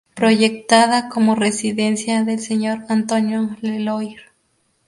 Proyectada como residencia del señor Antonio Leloir.